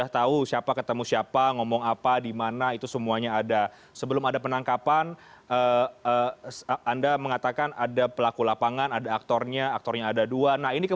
tapi itu bahaya sekali